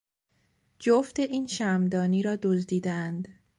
جفت این شمعدانی را دزدیدهاند.